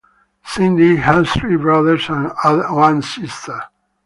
Cindy has three brothers and one sister.